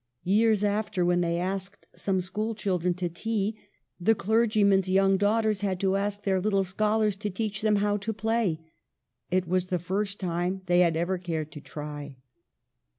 Years after, when they asked some school children to tea, the clergyman's young daughters had to ask their little scholars to teach them how to play. It was the first time they had ever cared to try.